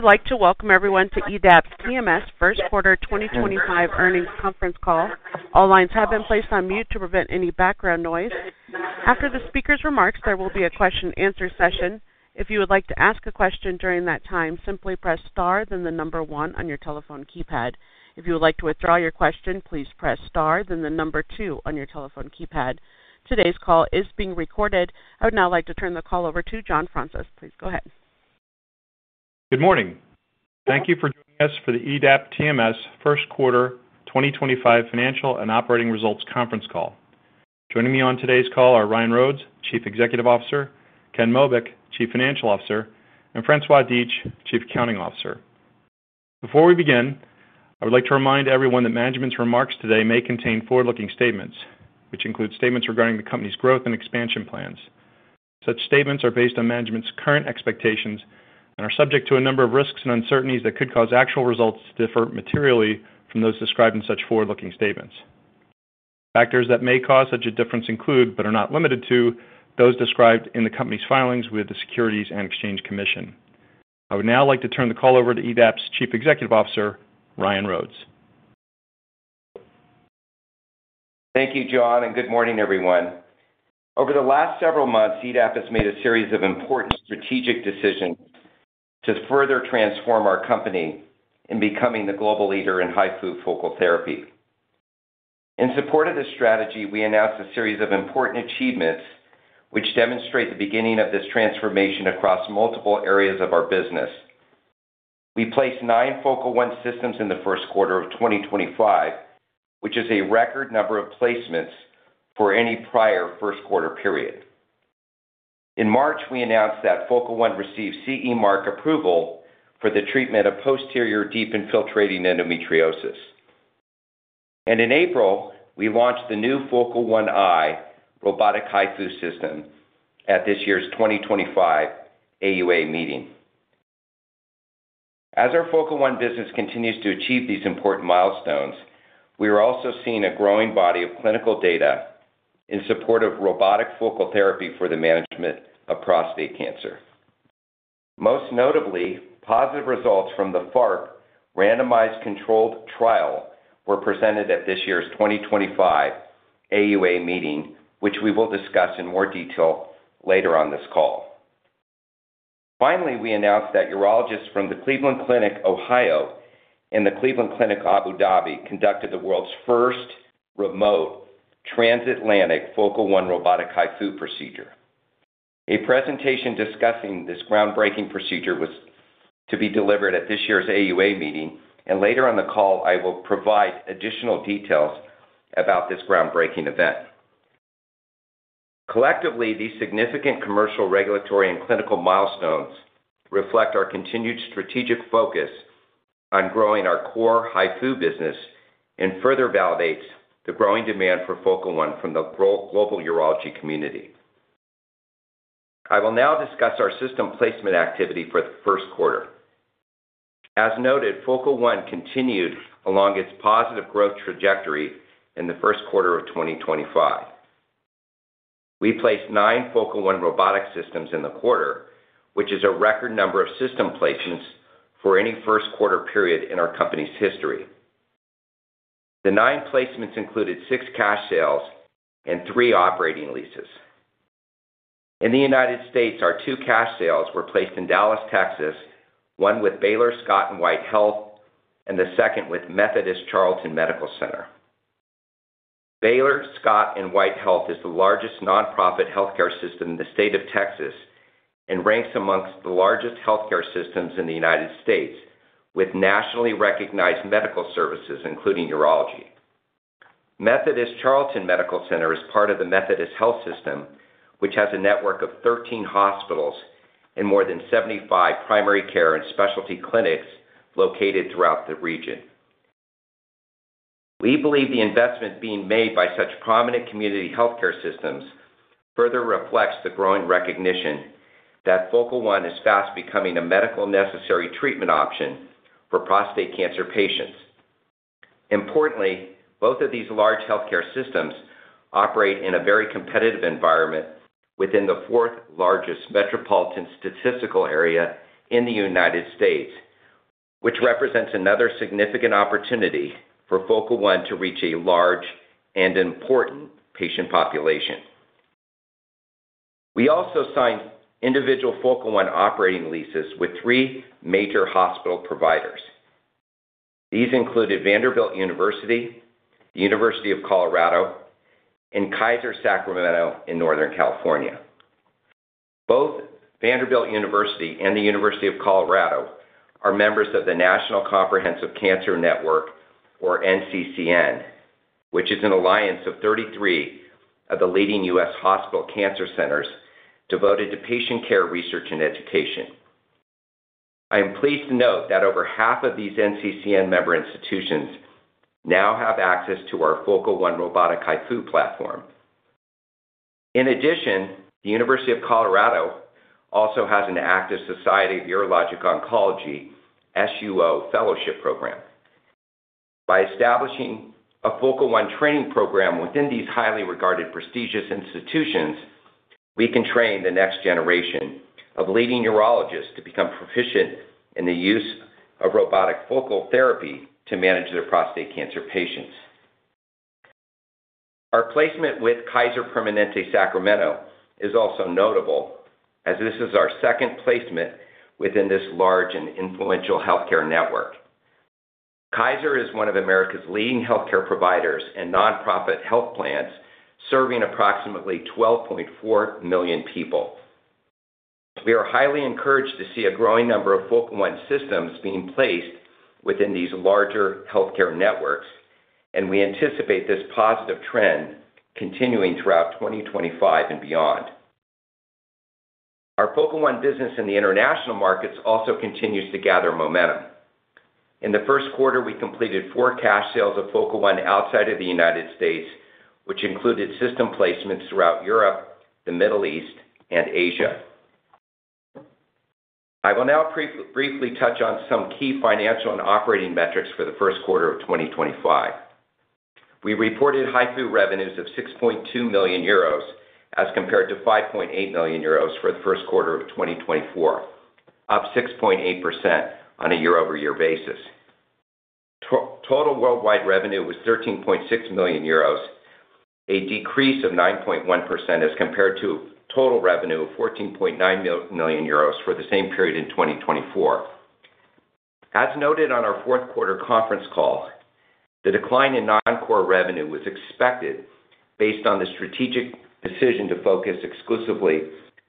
Hey, I'd like to welcome everyone to EDAP TMS First Quarter 2025 earnings conference call. All lines have been placed on mute to prevent any background noise. After the speaker's remarks, there will be a question-and-answer session. If you would like to ask a question during that time, simply press star, then the number one on your telephone keypad. If you would like to withdraw your question, please press star, then the number two on your telephone keypad. Today's call is being recorded. I would now like to turn the call over to John Fraunces. Please go ahead. Good morning. Thank you for joining us for the EDAP TMS First Quarter 2025 financial and operating results conference call. Joining me on today's call are Ryan Rhodes, Chief Executive Officer; Ken Mobeck, Chief Financial Officer; and Francois Dietsch, Chief Accounting Officer. Before we begin, I would like to remind everyone that management's remarks today may contain forward-looking statements, which include statements regarding the company's growth and expansion plans. Such statements are based on management's current expectations and are subject to a number of risks and uncertainties that could cause actual results to differ materially from those described in such forward-looking statements. Factors that may cause such a difference include, but are not limited to, those described in the company's filings with the Securities and Exchange Commission. I would now like to turn the call over to EDAP's Chief Executive Officer, Ryan Rhodes. Thank you, John, and good morning, everyone. Over the last several months, EDAP has made a series of important strategic decisions to further transform our company in becoming the global leader in HIFU focal therapy. In support of this strategy, we announced a series of important achievements, which demonstrate the beginning of this transformation across multiple areas of our business. We placed nine Focal One systems in the first quarter of 2025, which is a record number of placements for any prior first quarter period. In March, we announced that Focal One received CE mark approval for the treatment of posterior deep infiltrating endometriosis. In April, we launched the new Focal One i Robotic HIFU system at this year's 2025 AUA meeting. As our Focal One business continues to achieve these important milestones, we are also seeing a growing body of clinical data in support of Robotic focal therapy for the management of prostate cancer. Most notably, positive results from the FARP randomized controlled trial were presented at this year's 2025 AUA meeting, which we will discuss in more detail later on this call. Finally, we announced that urologists from the Cleveland Clinic, Ohio, and the Cleveland Clinic, Abu Dhabi conducted the world's first remote transatlantic Focal One Robotic HIFU procedure. A presentation discussing this groundbreaking procedure was to be delivered at this year's AUA meeting, and later on the call, I will provide additional details about this groundbreaking event. Collectively, these significant commercial, regulatory, and clinical milestones reflect our continued strategic focus on growing our core HIFU business and further validate the growing demand for Focal One from the global urology community. I will now discuss our system placement activity for the first quarter. As noted, Focal One continued along its positive growth trajectory in the first quarter of 2025. We placed nine Focal One Robotic systems in the quarter, which is a record number of system placements for any first quarter period in our company's history. The nine placements included six cash sales and three operating leases. In the U.S., our two cash sales were placed in Dallas, Texas, one with Baylor Scott and White Health and the second with Methodist Charlton Medical Center. Baylor Scott and White Health is the largest nonprofit healthcare system in the state of Texas and ranks amongst the largest healthcare systems in the United States with nationally recognized medical services, including urology. Methodist Charlton Medical Center is part of the Methodist Health System, which has a network of 13 hospitals and more than 75 primary care and specialty clinics located throughout the region. We believe the investment being made by such prominent community healthcare systems further reflects the growing recognition that Focal One is fast becoming a medically necessary treatment option for prostate cancer patients. Importantly, both of these large healthcare systems operate in a very competitive environment within the fourth largest metropolitan statistical area in the United States, which represents another significant opportunity for Focal One to reach a large and important patient population. We also signed individual Focal One operating leases with three major hospital providers. These included Vanderbilt University, the University of Colorado, and Kaiser Sacramento in Northern California. Both Vanderbilt University and the University of Colorado are members of the National Comprehensive Cancer Network, or NCCN, which is an alliance of 33 of the leading U.S. hospital cancer centers devoted to patient care, research, and education. I am pleased to note that over half of these NCCN member institutions now have access to our Focal One Robotic HIFU platform. In addition, the University of Colorado also has an active Society of Urologic Oncology SUO fellowship program. By establishing a Focal One training program within these highly regarded, prestigious institutions, we can train the next generation of leading urologists to become proficient in the use of Robotic focal therapy to manage their prostate cancer patients. Our placement with Kaiser Permanente Sacramento is also notable, as this is our second placement within this large and influential healthcare network. Kaiser is one of America's leading healthcare providers and nonprofit health plans serving approximately 12.4 million people. We are highly encouraged to see a growing number of Focal One systems being placed within these larger healthcare networks, and we anticipate this positive trend continuing throughout 2025 and beyond. Our Focal One business in the international markets also continues to gather momentum. In the first quarter, we completed four cash sales of Focal One outside of the United States, which included system placements throughout Europe, the Middle East, and Asia. I will now briefly touch on some key financial and operating metrics for the first quarter of 2025. We reported HIFU revenues of 6.2 million euros as compared to 5.8 million euros for the first quarter of 2024, up 6.8% on a year-over-year basis. Total worldwide revenue was 13.6 million euros, a decrease of 9.1% as compared to total revenue of 14.9 million euros for the same period in 2024. As noted on our fourth quarter conference call, the decline in non-core revenue was expected based on the strategic decision to focus exclusively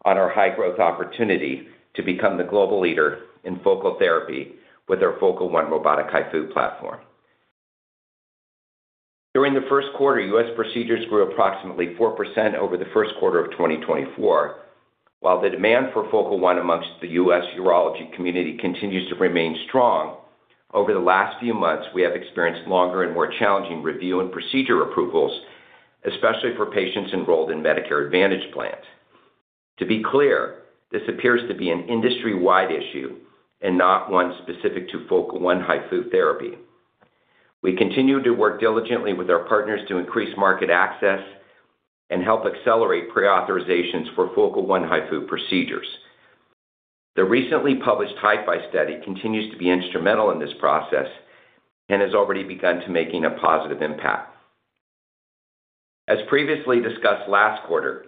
on our high-growth opportunity to become the global leader in focal therapy with our Focal One Robotic HIFU platform. During the first quarter, U.S. procedures grew approximately 4% over the first quarter of 2024. While the demand for Focal One amongst the U.S. urology community continues to remain strong, over the last few months, we have experienced longer and more challenging review and procedure approvals, especially for patients enrolled in Medicare Advantage plans. To be clear, this appears to be an industry-wide issue and not one specific to Focal One HIFU therapy. We continue to work diligently with our partners to increase market access and help accelerate pre-authorizations for Focal One HIFU procedures. The recently published HIFU study continues to be instrumental in this process and has already begun to make a positive impact. As previously discussed last quarter,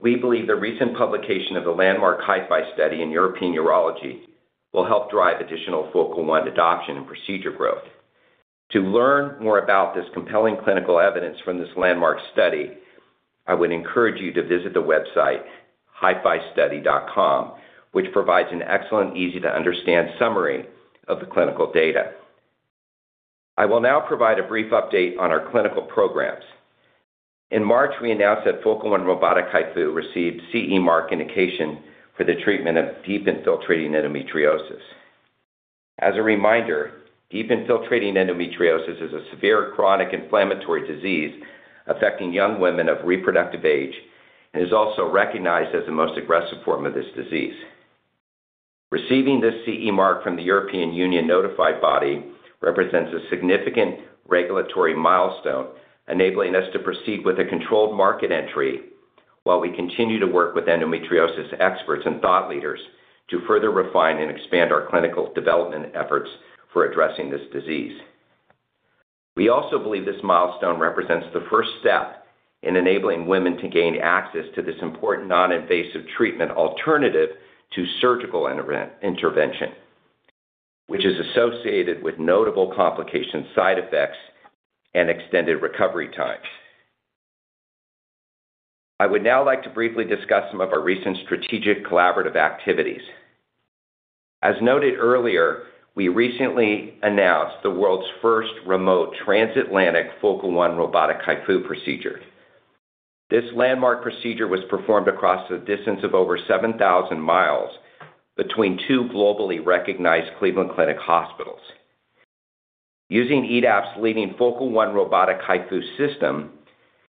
we believe the recent publication of the landmark HIFU study in European urology will help drive additional Focal One adoption and procedure growth. To learn more about this compelling clinical evidence from this landmark study, I would encourage you to visit the website hifustudy.com, which provides an excellent, easy-to-understand summary of the clinical data. I will now provide a brief update on our clinical programs. In March, we announced that Focal One Robotic HIFU received CE mark indication for the treatment of deep infiltrating endometriosis. As a reminder, deep infiltrating endometriosis is a severe, chronic inflammatory disease affecting young women of reproductive age and is also recognized as the most aggressive form of this disease. Receiving this CE mark from the European Union notified body represents a significant regulatory milestone, enabling us to proceed with a controlled market entry while we continue to work with endometriosis experts and thought leaders to further refine and expand our clinical development efforts for addressing this disease. We also believe this milestone represents the first step in enabling women to gain access to this important non-invasive treatment alternative to surgical intervention, which is associated with notable complications, side effects, and extended recovery times. I would now like to briefly discuss some of our recent strategic collaborative activities. As noted earlier, we recently announced the world's first remote transatlantic Focal One Robotic HIFU procedure. This landmark procedure was performed across a distance of over 7,000 mi between two globally recognized Cleveland Clinic hospitals. Using EDAP's leading Focal One Robotic HIFU system,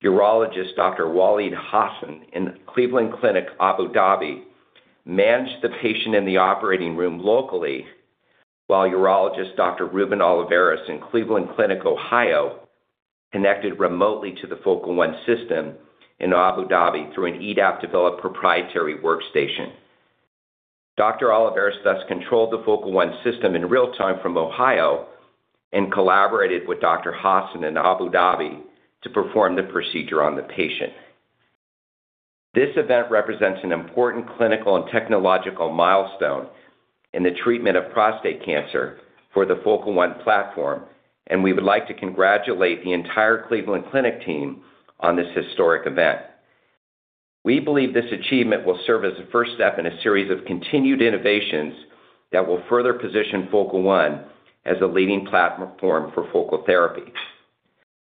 urologist Dr. Walid Hassan in Cleveland Clinic, Abu Dhabi, managed the patient in the operating room locally, while urologist Dr. Ruben Oliveras in Cleveland Clinic, Ohio, connected remotely to the Focal One system in Abu Dhabi through an EDAP-developed proprietary workstation. Dr. Oliveras thus controlled the Focal One system in real time from Ohio and collaborated with Dr. Hassan in Abu Dhabi to perform the procedure on the patient. This event represents an important clinical and technological milestone in the treatment of prostate cancer for the Focal One platform, and we would like to congratulate the entire Cleveland Clinic team on this historic event. We believe this achievement will serve as a first step in a series of continued innovations that will further position Focal One as a leading platform for focal therapy.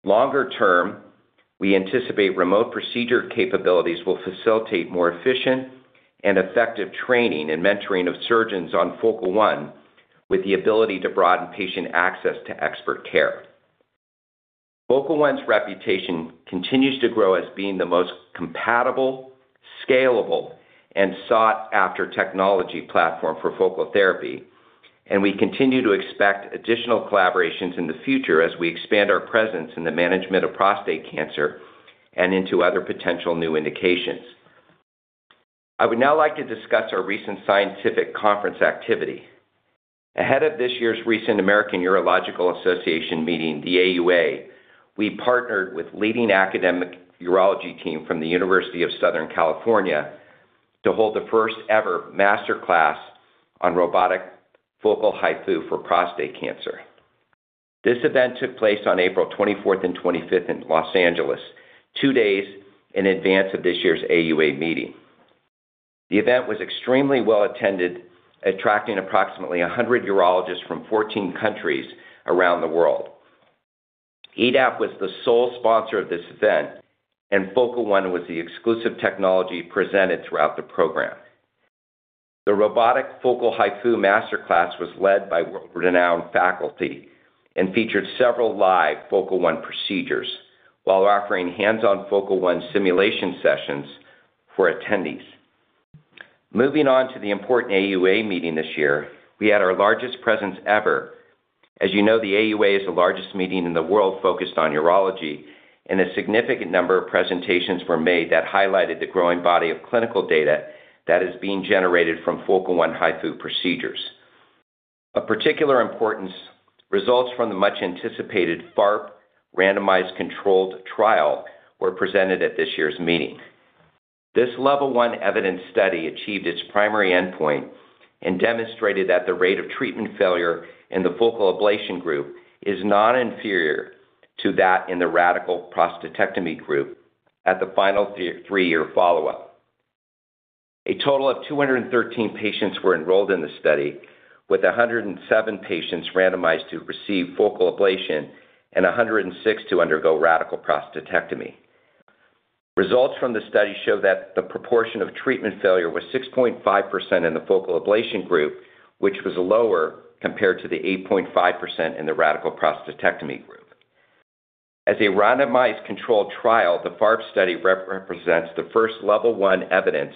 Longer term, we anticipate remote procedure capabilities will facilitate more efficient and effective training and mentoring of surgeons on Focal One with the ability to broaden patient access to expert care. Focal One's reputation continues to grow as being the most compatible, scalable, and sought-after technology platform for focal therapy, and we continue to expect additional collaborations in the future as we expand our presence in the management of prostate cancer and into other potential new indications. I would now like to discuss our recent scientific conference activity. Ahead of this year's recent American Urological Association meeting, the AUA, we partnered with leading academic urology team from the University of Southern California to hold the first-ever masterclass on Robotic Focal HIFU for prostate cancer. This event took place on April 24th and 25th in Los Angeles, two days in advance of this year's AUA meeting. The event was extremely well attended, attracting approximately 100 urologists from 14 countries around the world. EDAP was the sole sponsor of this event, and Focal One was the exclusive technology presented throughout the program. The Robotic Focal HIFU masterclass was led by world-renowned faculty and featured several live Focal One procedures while offering hands-on Focal One simulation sessions for attendees. Moving on to the important AUA meeting this year, we had our largest presence ever. As you know, the AUA is the largest meeting in the world focused on urology, and a significant number of presentations were made that highlighted the growing body of clinical data that is being generated from Focal One HIFU procedures. Of particular importance, results from the much-anticipated FARP randomized controlled trial were presented at this year's meeting. This level one evidence study achieved its primary endpoint and demonstrated that the rate of treatment failure in the focal ablation group is not inferior to that in the radical prostatectomy group at the final three-year follow-up. A total of 213 patients were enrolled in the study, with 107 patients randomized to receive focal ablation and 106 to undergo radical prostatectomy. Results from the study show that the proportion of treatment failure was 6.5% in the focal ablation group, which was lower compared to the 8.5% in the radical prostatectomy group. As a randomized controlled trial, the FARP trial represents the first level one evidence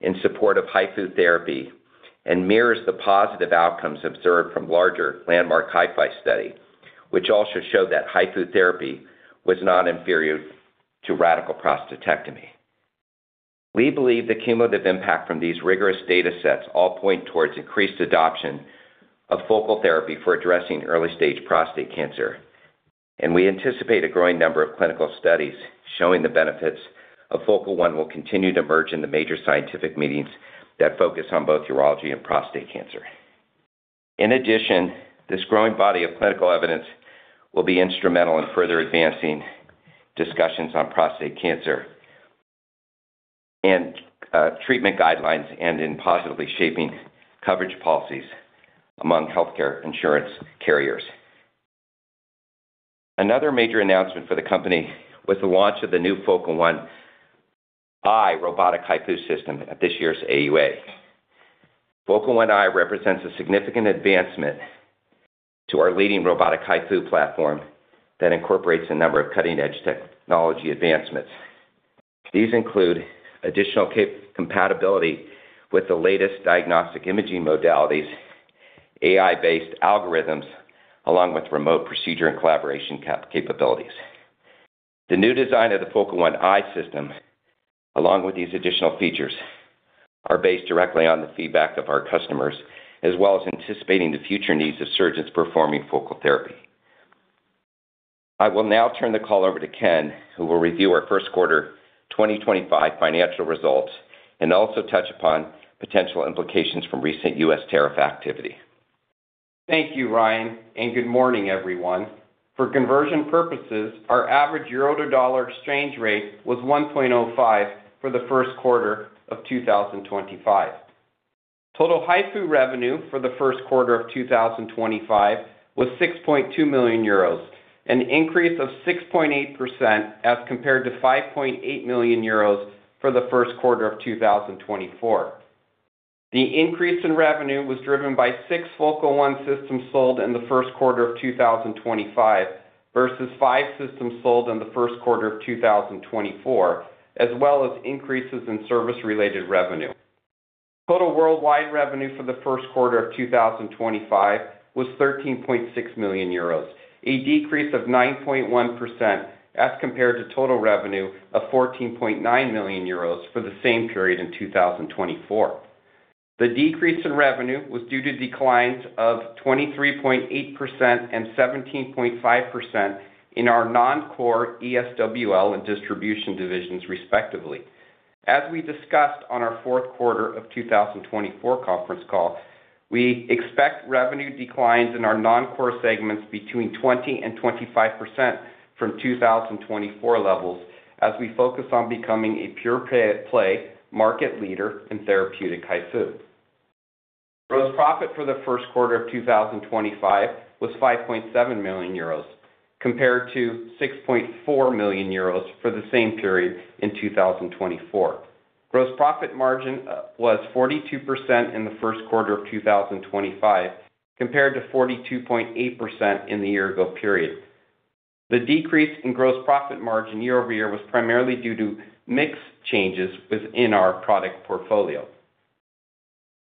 in support of HIFU therapy and mirrors the positive outcomes observed from larger landmark HIFU study, which also showed that HIFU therapy was not inferior to radical prostatectomy. We believe the cumulative impact from these rigorous data sets all points towards increased adoption of focal therapy for addressing early-stage prostate cancer, and we anticipate a growing number of clinical studies showing the benefits of Focal One will continue to emerge in the major scientific meetings that focus on both urology and prostate cancer. In addition, this growing body of clinical evidence will be instrumental in further advancing discussions on prostate cancer and treatment guidelines and in positively shaping coverage policies among healthcare insurance carriers. Another major announcement for the company was the launch of the new Focal One i Robotic HIFU system at this year's AUA. Focal One i represents a significant advancement to our leading Robotic HIFU platform that incorporates a number of cutting-edge technology advancements. These include additional compatibility with the latest diagnostic imaging modalities, AI-based algorithms, along with remote procedure and collaboration capabilities. The new design of the Focal One i system, along with these additional features, is based directly on the feedback of our customers, as well as anticipating the future needs of surgeons performing focal therapy. I will now turn the call over to Ken, who will review our first quarter 2025 financial results and also touch upon potential implications from recent U.S. tariff activity. Thank you, Ryan, and good morning, everyone. For conversion purposes, our average euro to dollar exchange rate was $1.05 for the first quarter of 2025. Total HIFU revenue for the first quarter of 2025 was 6.2 million euros, an increase of 6.8% as compared to 5.8 million euros for the first quarter of 2024. The increase in revenue was driven by six Focal One systems sold in the first quarter of 2025 versus five systems sold in the first quarter of 2024, as well as increases in service-related revenue. Total worldwide revenue for the first quarter of 2025 was 13.6 million euros, a decrease of 9.1% as compared to total revenue of 14.9 million euros for the same period in 2024. The decrease in revenue was due to declines of 23.8% and 17.5% in our non-core ESWL and distribution divisions, respectively. As we discussed on our fourth quarter of 2024 conference call, we expect revenue declines in our non-core segments between 20% and 25% from 2024 levels as we focus on becoming a pure-play market leader in therapeutic HIFU. Gross profit for the first quarter of 2025 was 5.7 million euros compared to 6.4 million euros for the same period in 2024. Gross profit margin was 42% in the first quarter of 2025 compared to 42.8% in the year-ago period. The decrease in gross profit margin year-over-year was primarily due to mixed changes within our product portfolio.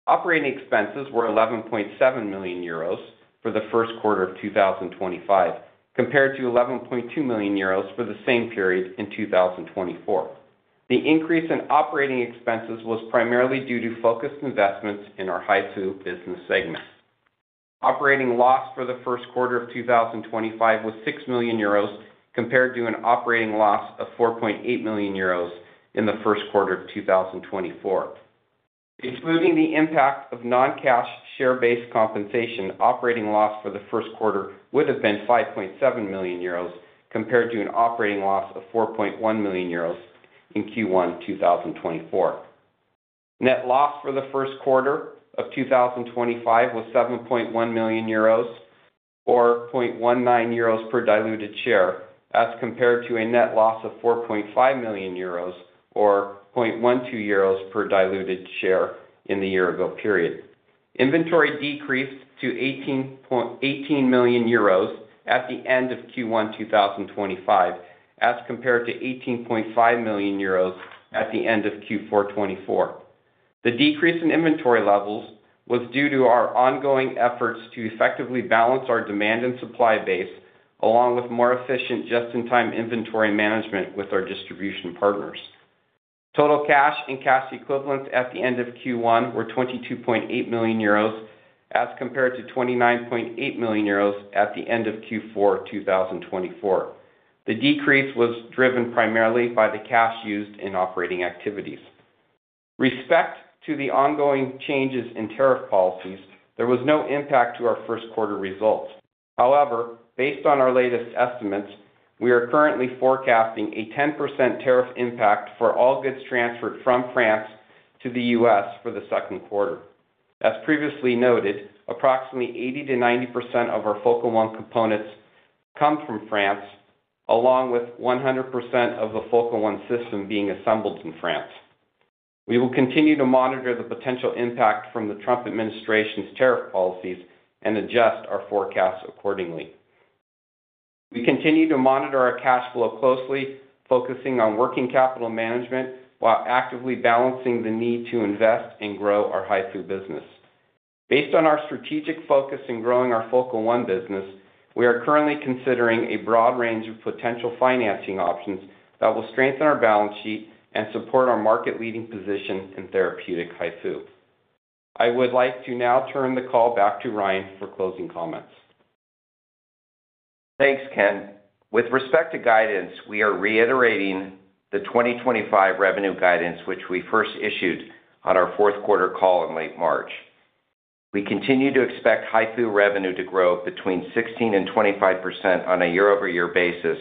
Operating expenses were 11.7 million euros for the first quarter of 2025 compared to 11.2 million euros for the same period in 2024. The increase in operating expenses was primarily due to focused investments in our HIFU business segment. Operating loss for the first quarter of 2025 was 6 million euros compared to an operating loss of 4.8 million euros in the first quarter of 2024. Excluding the impact of non-cash share-based compensation, operating loss for the first quarter would have been 5.7 million euros compared to an operating loss of 4.1 million euros in Q1 2024. Net loss for the first quarter of 2025 was 7.1 million euros, or 4.19 euros per diluted share, as compared to a net loss of 4.5 million euros, or 0.12 euros per diluted share in the year-ago period. Inventory decreased to 18 million euros at the end of Q1 2025 as compared to 18.5 million euros at the end of Q4 2024. The decrease in inventory levels was due to our ongoing efforts to effectively balance our demand and supply base, along with more efficient just-in-time inventory management with our distribution partners. Total cash and cash equivalents at the end of Q1 were 22.8 million euros as compared to 29.8 million euros at the end of Q4 2024. The decrease was driven primarily by the cash used in operating activities. Respect to the ongoing changes in tariff policies, there was no impact to our first quarter results. However, based on our latest estimates, we are currently forecasting a 10% tariff impact for all goods transferred from France to the U.S. for the second quarter. As previously noted, approximately 80%-90% of our Focal One components come from France, along with 100% of the Focal One system being assembled in France. We will continue to monitor the potential impact from the Trump administration's tariff policies and adjust our forecasts accordingly. We continue to monitor our cash flow closely, focusing on working capital management while actively balancing the need to invest and grow our HIFU business. Based on our strategic focus in growing our Focal One business, we are currently considering a broad range of potential financing options that will strengthen our balance sheet and support our market-leading position in therapeutic HIFU. I would like to now turn the call back to Ryan for closing comments. Thanks, Ken. With respect to guidance, we are reiterating the 2025 revenue guidance, which we first issued on our fourth quarter call in late March. We continue to expect HIFU revenue to grow between 16% and 25% on a year-over-year basis,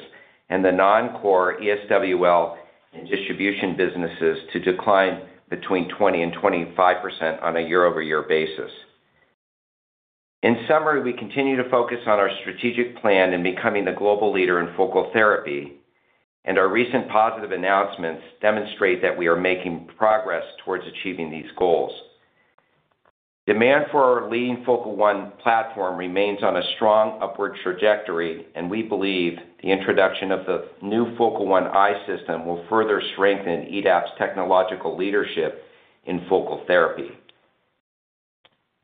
and the non-core ESWL and distribution businesses to decline between 20% and 25% on a year-over-year basis. In summary, we continue to focus on our strategic plan in becoming the global leader in focal therapy, and our recent positive announcements demonstrate that we are making progress towards achieving these goals. Demand for our leading Focal One platform remains on a strong upward trajectory, and we believe the introduction of the new Focal One i system will further strengthen EDAP's technological leadership in focal therapy.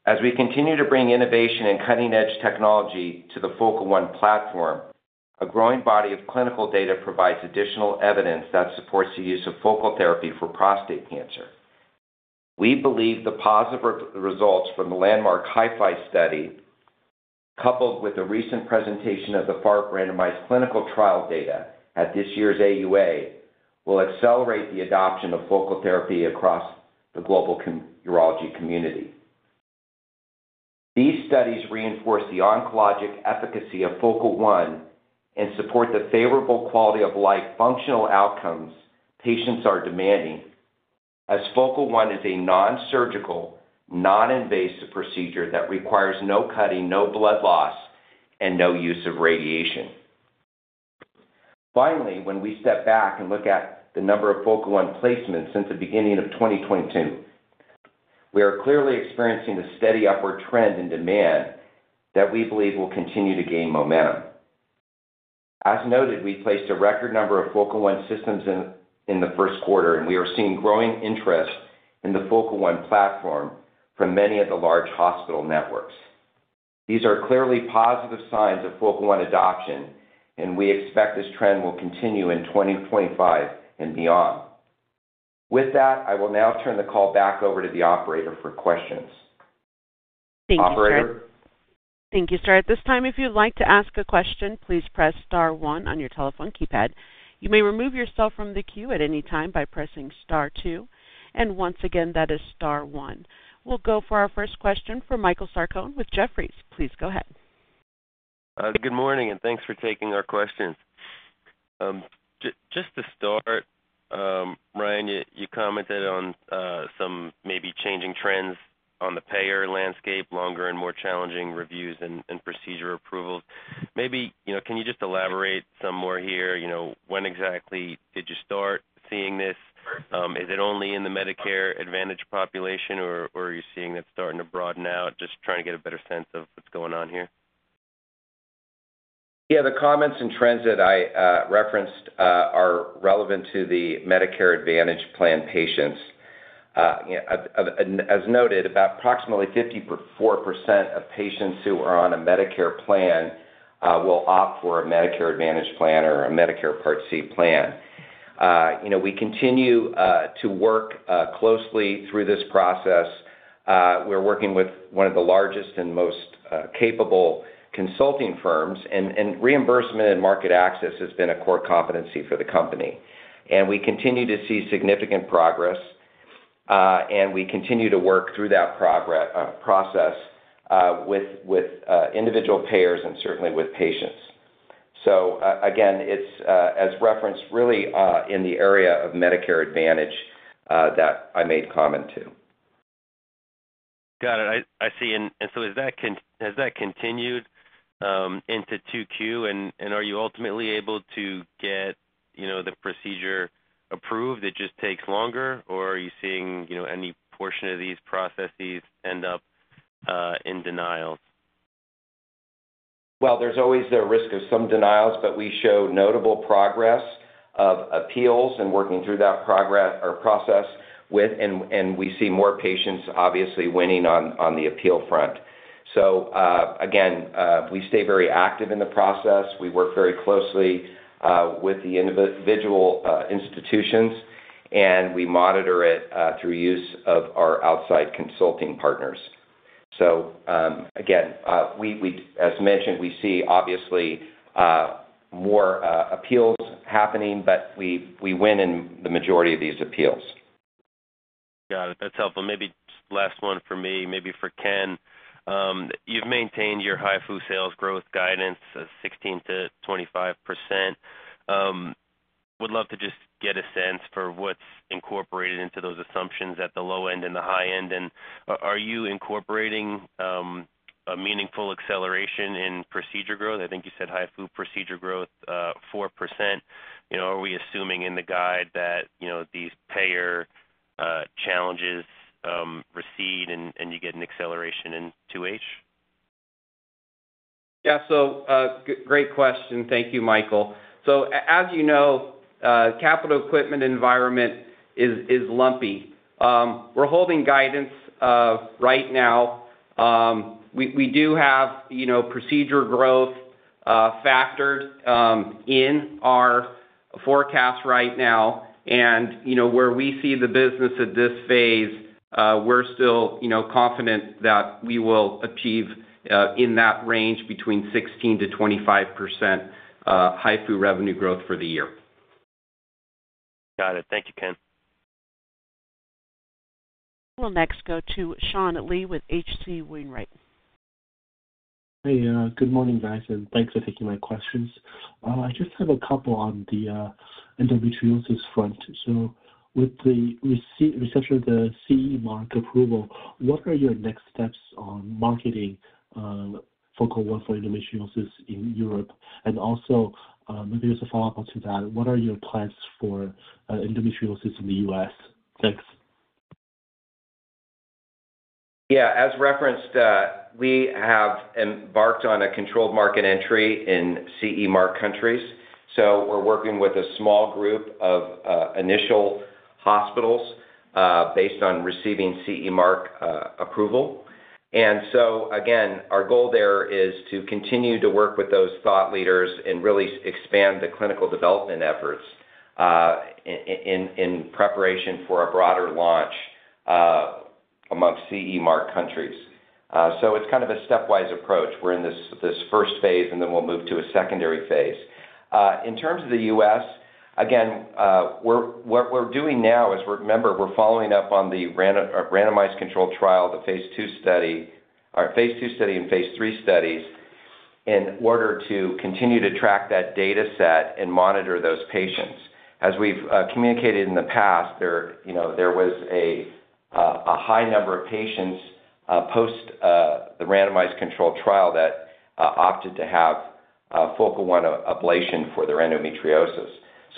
As we continue to bring innovation and cutting-edge technology to the Focal One platform, a growing body of clinical data provides additional evidence that supports the use of focal therapy for prostate cancer. We believe the positive results from the landmark HIFU study, coupled with the recent presentation of the FARP randomized clinical trial data at this year's AUA, will accelerate the adoption of focal therapy across the global urology community. These studies reinforce the oncologic efficacy of Focal One and support the favorable quality of life functional outcomes patients are demanding, as Focal One is a nonsurgical, non-invasive procedure that requires no cutting, no blood loss, and no use of radiation. Finally, when we step back and look at the number of Focal One placements since the beginning of 2022, we are clearly experiencing a steady upward trend in demand that we believe will continue to gain momentum. As noted, we placed a record number of Focal One systems in the first quarter, and we are seeing growing interest in the Focal One platform from many of the large hospital networks. These are clearly positive signs of Focal One adoption, and we expect this trend will continue in 2025 and beyond. With that, I will now turn the call back over to the operator for questions. Thank you, sir. At this time, if you'd like to ask a question, please press *1 on your telephone keypad. You may remove yourself from the queue at any time by pressing *2, and once again, that is *1. We'll go for our first question from Michael Sarcone with Jefferies. Please go ahead. Good morning, and thanks for taking our questions. Just to start, Ryan, you commented on some maybe changing trends on the payer landscape, longer and more challenging reviews and procedure approvals. Maybe can you just elaborate some more here? When exactly did you start seeing this? Is it only in the Medicare Advantage population, or are you seeing that starting to broaden out, just trying to get a better sense of what's going on here? Yeah, the comments and trends that I referenced are relevant to the Medicare Advantage plan patients. As noted, about approximately 54% of patients who are on a Medicare plan will opt for a Medicare Advantage plan or a Medicare Part C plan. We continue to work closely through this process. We're working with one of the largest and most capable consulting firms, and reimbursement and market access has been a core competency for the company. We continue to see significant progress, and we continue to work through that process with individual payers and certainly with patients. Again, as referenced, it is really in the area of Medicare Advantage that I made comment to. Got it. I see. Has that continued into Q2, and are you ultimately able to get the procedure approved? It just takes longer, or are you seeing any portion of these processes end up in denials? There is always the risk of some denials, but we show notable progress of appeals and working through that process, and we see more patients, obviously, winning on the appeal front. Again, we stay very active in the process. We work very closely with the individual institutions, and we monitor it through use of our outside consulting partners. So again, as mentioned, we see obviously more appeals happening, but we win in the majority of these appeals. Got it. That's helpful. Maybe last one for me, maybe for Ken. You've maintained your HIFU sales growth guidance of 16%-25%. Would love to just get a sense for what's incorporated into those assumptions at the low end and the high end. And are you incorporating a meaningful acceleration in procedure growth? I think you said HIFU procedure growth 4%. Are we assuming in the guide that these payer challenges recede and you get an acceleration in 2H? Yeah. Great question. Thank you, Michael. As you know, capital equipment environment is lumpy. We're holding guidance right now. We do have procedure growth factored in our forecast right now. Where we see the business at this phase, we're still confident that we will achieve in that range between 16%-25% HIFU revenue growth for the year. Got it. Thank you, Ken. We'll next go to Sean Lee with H.C Wainwright. Hey, good morning, guys, and thanks for taking my questions. I just have a couple on the endometriosis front. With the reception of the CE mark approval, what are your next steps on marketing Focal One for endometriosis in Europe? Also, maybe just a follow-up to that, what are your plans for endometriosis in the U.S.? Thanks. Yeah. As referenced, we have embarked on a controlled market entry in CE mark countries. We're working with a small group of initial hospitals based on receiving CE mark approval. Our goal there is to continue to work with those thought leaders and really expand the clinical development efforts in preparation for a broader launch amongst CE mark countries. It is kind of a stepwise approach. We are in this first phase, and then we will move to a secondary phase. In terms of the U.S., what we are doing now is, remember, we are following up on the randomized controlled trial, the phase 2 study, or phase 2 study and phase 3 studies, in order to continue to track that data set and monitor those patients. As we have communicated in the past, there was a high number of patients post the randomized controlled trial that opted to have Focal One ablation for their endometriosis.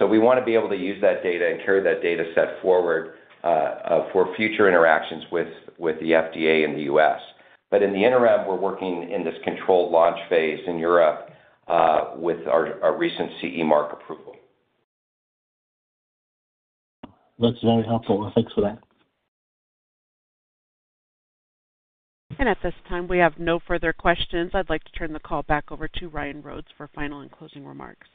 We want to be able to use that data and carry that data set forward for future interactions with the FDA in the U.S. In the interim, we're working in this controlled launch phase in Europe with our recent CE mark approval. That's very helpful. Thanks for that. At this time, we have no further questions. I'd like to turn the call back over to Ryan Rhodes for final and closing remarks.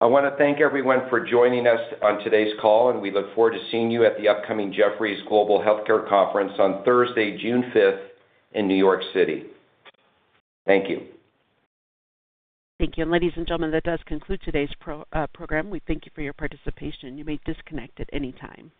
I want to thank everyone for joining us on today's call, and we look forward to seeing you at the upcoming Jefferies Global Healthcare Conference on Thursday, June 5, in New York City. Thank you. Thank you. Ladies and gentlemen, that does conclude today's program. We thank you for your participation. You may disconnect at any time.